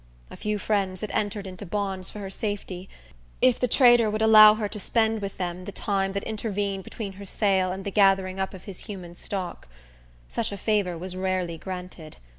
A few friends had entered into bonds for her safety, if the trader would allow her to spend with them the time that intervened between her sale and the gathering up of his human stock. Such a favor was rarely granted.